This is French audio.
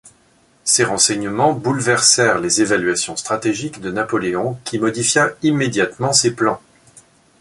Ces renseignements bouleversèrent les évaluations stratégiques de Napoléon qui modifia immédiatement ses plans.